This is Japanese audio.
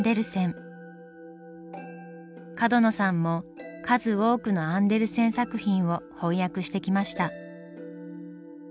角野さんも数多くのアンデルセン作品を翻訳してきました。